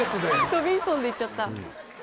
『ロビンソン』でいっちゃった。